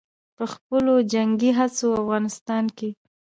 په خپلو جنګي هڅو او افغانستان کښې